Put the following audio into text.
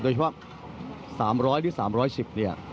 เฉพาะ๓๐๐หรือ๓๑๐เนี่ย